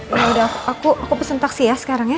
udah aku pesen taksi ya sekarang ya